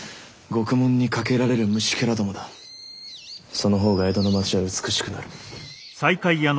その方が江戸の町は美しくなる。